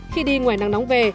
khi đi ngoài nắng nóng về